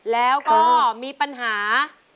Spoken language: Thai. แล้วก็มีปัญหา